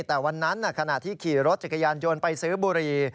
แต่วันนั้นขณะที่ขี่รถจักรยานยนต์ไปซื้อบุรี